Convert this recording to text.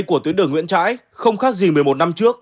của tuyến đường nguyễn trãi không khác gì một mươi một năm trước